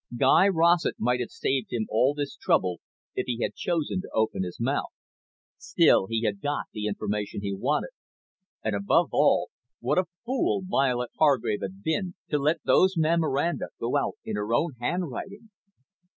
Guy Rossett might have saved him all this trouble if he had chosen to open his mouth. Still, he had got the information he wanted. And, above all, what a fool Violet Hargrave had been, to let those memoranda go out in her own handwriting!